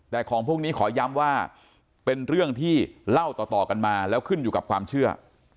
แต่ของพวกนี้ขอย้ำว่าเป็นเรื่องที่เล่าต่อกันมาแล้วขึ้นอยู่กับความเชื่อ